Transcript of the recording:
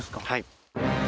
はい。